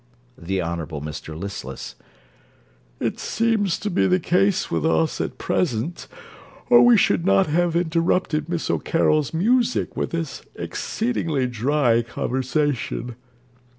THE HONOURABLE MR LISTLESS It seems to be the case with us at present, or we should not have interrupted Miss O'Carroll's music with this exceedingly dry conversation.